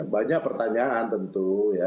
banyak pertanyaan tentu